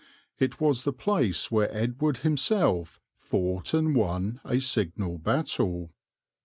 It was the place where Edward himself fought and won a signal battle.